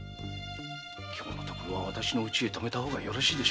今日のところは私の家に泊めた方がよろしいでしょう。